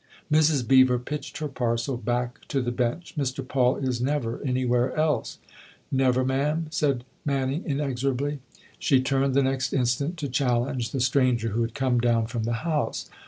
Mrs. Beever pitched her parcel back to the bench. 11 Mr. Paul is never anywhere else !"" Never, ma'am," said Manning inexorably. She turned the next instant to challenge the stranger who had come down from the house.